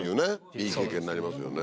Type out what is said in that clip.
いい経験になりますよね